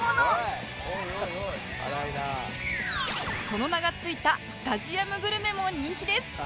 その名がついたスタジアムグルメも人気です